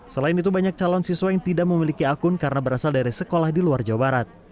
selain itu banyak calon siswa yang tidak memiliki akun karena berasal dari sekolah di luar jawa barat